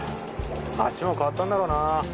あっちも変わったんだろうなぁ。